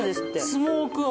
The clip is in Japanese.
スモーク味。